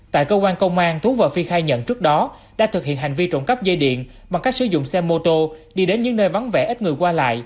tại cơ quan công an tú và phi khai nhận trước đó đã thực hiện hành vi trộm cắp dây điện bằng cách sử dụng xe mô tô đi đến những nơi vắng vẻ ít người qua lại